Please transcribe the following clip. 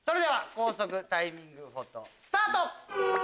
高速タイミングフォトスタート！